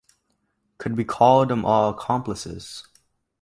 Could we call them all accomplices?